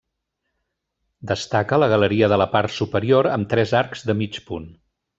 Destaca la galeria de la part superior, amb tres arcs de mig punt.